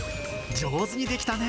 上手にできたね。